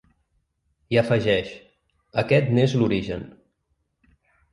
I afegeix: Aquest n’és l’origen.